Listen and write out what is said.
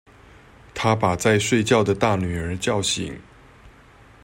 她把在睡覺的大女兒叫醒